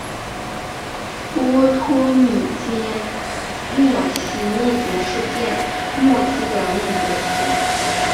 波托米阶末期灭绝事件末期的灭绝事件。